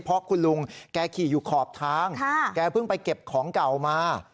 เพราะคุณลุงแกขี่อยู่ขอบทางแกเพิ่งไปเก็บของเก่ามา